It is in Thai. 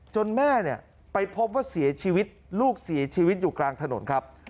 แม่เนี่ยไปพบว่าเสียชีวิตลูกเสียชีวิตอยู่กลางถนนครับ